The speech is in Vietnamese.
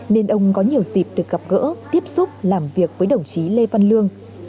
nên ông có nhiều dịp được gặp gỡ tiếp xúc làm việc với đồng chí lê văn lương